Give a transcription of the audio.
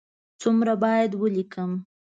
څومره باید ولیکم؟